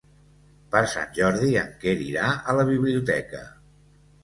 Per Sant Jordi en Quer irà a la biblioteca.